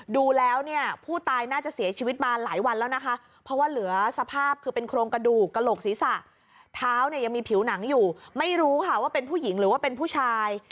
ดูแล้วเนี่ยผู้ตายน่าจะเสียชีวิตมาหลายวันแล้วนะคะเพราะว่าเหลือสภาพคือเป็นโครงกระดูกกระโหลกศีรษะเท้าเนี่ยยังมีผิวหนังอยู่ไม่รู้ค่ะว่าเป็นผู้หญิงหรือว่าเป็นผู้ชาย